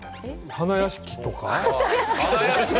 花やしきとか？